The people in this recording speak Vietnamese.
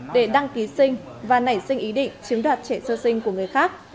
để đăng ký sinh và nảy sinh ý định chiếm đoạt trẻ sơ sinh của người khác